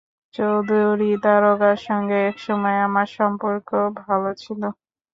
চৌধুরী দারোগার সঙ্গে একসময় আমার সম্পর্ক ভালো ছিল।